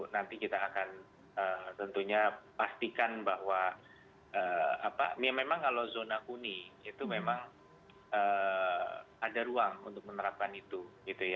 nanti kita akan tentunya pastikan bahwa memang kalau zona kuning itu memang ada ruang untuk menerapkan itu